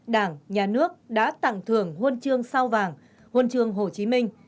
đảng nhà nước đã tặng thưởng huân chương sao vàng huân trường hồ chí minh